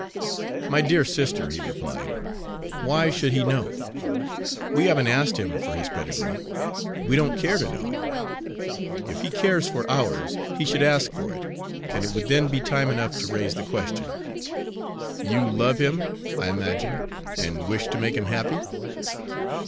"My dear sister," he replied, "why should he know? We haven't asked him for his pedigree; we don't care to know it. If he cares for ours, he should ask for it, and it would then be time enough to raise the question. You love him, I imagine, and wish to make him happy?"